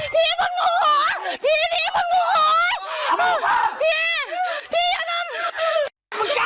เด็กพี่เด็กเด็กเขาไม่รู้พวกหนูหรอ